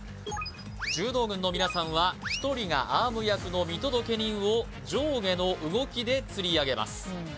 柔道軍の皆さんは１人がアーム役の見届け人を上下の動きで釣り上げます